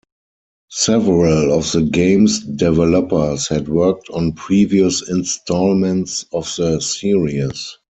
Several of the game's developers had worked on previous installments of the series.